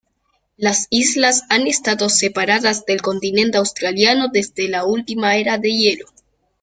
Las islas han estado separadas del continente australiano desde la última era de hielo.